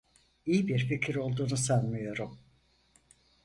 İyi bir fikir olduğunu sanmıyorum.